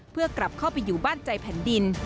เพื่อกลับเข้าไปอยู่บ้านใจแผ่นดิน